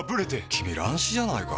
君乱視じゃないか？